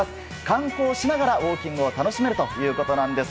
観光しながらウォーキングを楽しめるということなんです。